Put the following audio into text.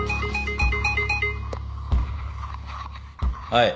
はい。